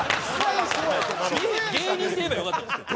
「芸人」って言えばよかったんですけど。